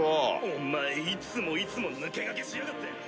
お前いつもいつも抜け駆けしやがって！